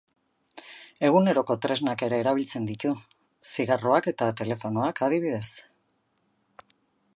Eguneroko tresnak ere erabiltzen ditu, zigarroak eta telefonoak, adibidez.